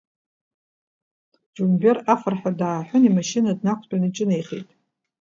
Џьумбери, афырҳәа дааҳәын, имашьына днақәтәан иҿынеихеит.